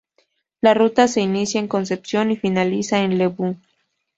La ruta se inicia en Concepción y finaliza en Lebu.